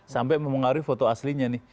sampai mempengaruhi foto aslinya nih